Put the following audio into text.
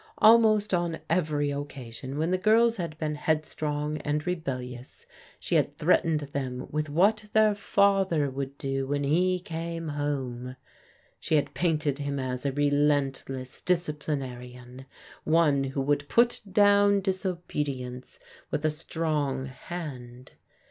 Almost on every oc casion when the girls had been headstrong and rebellious, she had threatened them with what their father would do when he came home. She had painted him as a relent less disciplinarian, one who would put down disobedience with a strong hand.